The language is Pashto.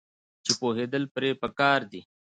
چې پوهیدل پرې پکار دي.